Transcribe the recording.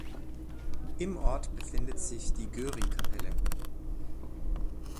Im Ort befindet sich die Göri-Kapelle.